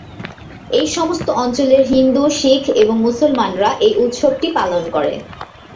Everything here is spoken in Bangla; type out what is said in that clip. এই সমস্ত অঞ্চলের হিন্দু, শিখ এবং মুসলমানরা এই উৎসবটি পালন করে।